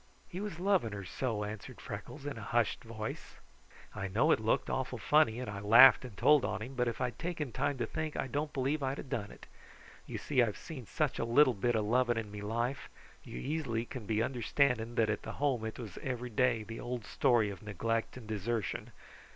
"He was loving her so," answered Freckles in a hushed voice. "I know it looked awful funny, and I laughed and told on him, but if I'd taken time to think I don't believe I'd have done it. You see, I've seen such a little bit of loving in me life. You easily can be understanding that at the Home it was every day the old story of neglect and desertion.